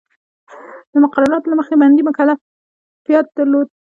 د مقرراتو له مخې بندي مکلفیت درلود.